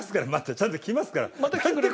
ちゃんと来ますから。